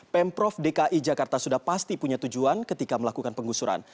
pemprov dki jakarta sudah pasti punya tujuan ketika melakukan penggusuran